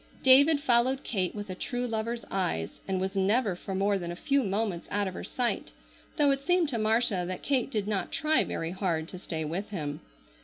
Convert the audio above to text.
David followed Kate with a true lover's eyes and was never for more than a few moments out of her sight, though it seemed to Marcia that Kate did not try very hard to stay with him.